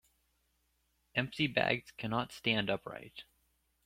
Empty bags cannot stand upright.